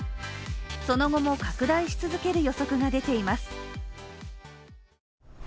その後も拡大し続ける予測が出ています。